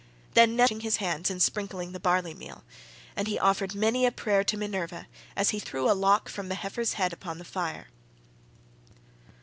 Then Nestor began with washing his hands and sprinkling the barley meal, and he offered many a prayer to Minerva as he threw a lock from the heifer's head upon the fire.